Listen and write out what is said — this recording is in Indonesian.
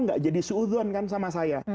itu tidak jadi seudon sama saya